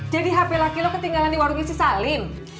jadi hp laki lu ketinggalan di warung isi salim